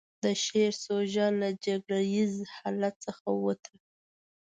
د شعر سوژه له جګړه ييز حالت څخه ووته.